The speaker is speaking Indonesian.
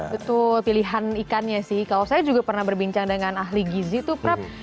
betul pilihan ikannya sih kalau saya juga pernah berbincang dengan ahli gizi tuh prap